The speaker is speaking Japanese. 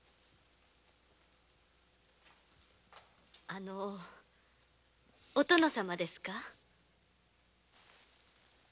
あのお殿様ですか？